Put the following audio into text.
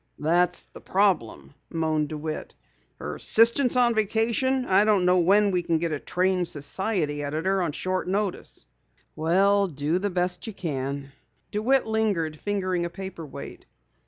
"That's the problem," moaned DeWitt. "Her assistant is on vacation. I don't know where we can get a trained society editor on short notice." "Well, do the best you can." DeWitt lingered, fingering a paper weight.